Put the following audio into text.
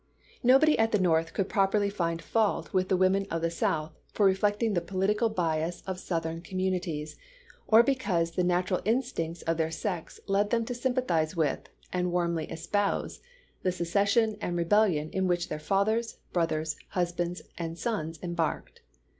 Nobody at the North could properly find fault with the women of the South for reflecting the political bias of Southern com munities, or because the natural instincts of their sex led them to sympathize with, and warmly espouse, the secession and rebellion in which their fathers, brothers, husbands, and sons embarked.